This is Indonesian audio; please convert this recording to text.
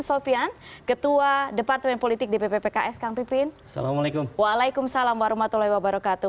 waalaikumsalam warahmatullahi wabarakatuh